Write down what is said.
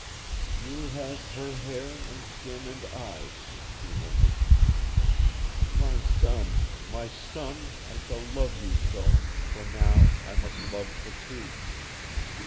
"You'll have her hair and skin and eyes," he murmured. "My son, my son, I shall love you so, for now I must love for two.